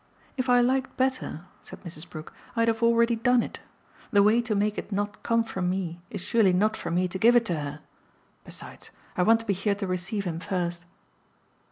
"If I liked better," said Mrs. Brook, "I'd have already done it. The way to make it not come from me is surely not for me to give it to her. Besides, I want to be here to receive him first."